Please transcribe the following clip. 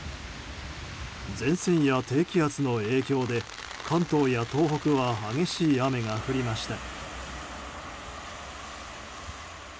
前線や低気圧の影響で関東や東北は激しい雨が降りました。